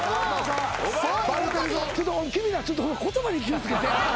ちょっと君ら言葉に気を付けて。